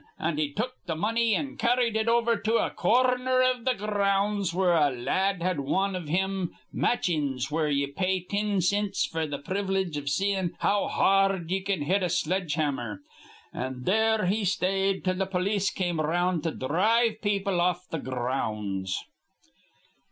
An' he took th' money an' carrid it over to a cor rner iv th' gr rounds where a la ad had wan iv thim matcheens where ye pay tin cints f'r th' privilege iv seein' how har rd ye can hit with a sledge hammer, an' there he stayed till th' polis come ar round to dhrive people off th' gr rounds."